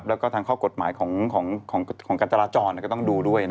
แล้วก็ทางข้อกฎหมายของการจราจรก็ต้องดูด้วย